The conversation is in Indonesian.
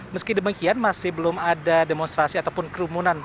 meski demikian masih belum ada demonstrasi ataupun kerumunan